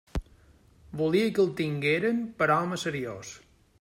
Volia que el tingueren per home seriós.